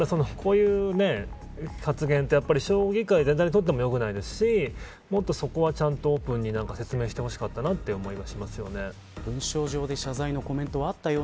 こういう発言って将棋界全体にとっても良くないですしもっと、そこはオープンに説明してほしかったなと思いますね。